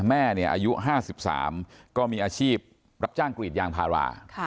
แม่เนี่ยอายุห้าสิบสามก็มีอาชีพรับจ้างกรีดยางพารา